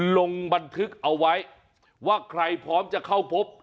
ลงบันทึกเอาไว้ว่าใครพร้อมจะเข้าพบ